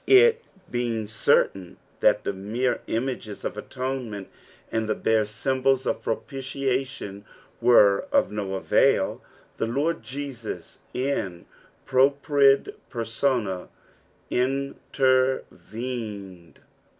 It being certain that tbe mere images of atonement, and the bare symbols of propitiation were cf no avail, the Lord Jesus, in propria permma, intervened.